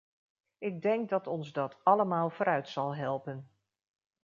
Ik denk dat ons dat allemaal vooruit zal helpen.